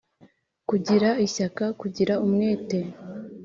kugira ishyaka: kugira umwete,